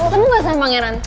kamu gak sampe pangeran